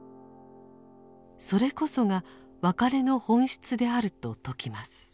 それこそが別れの本質であると説きます。